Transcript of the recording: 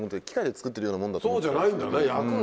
そうじゃないんだね。